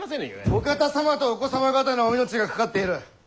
お方様とお子様方のお命が懸かっている。